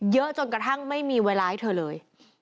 จนกระทั่งไม่มีเวลาให้เธอเลย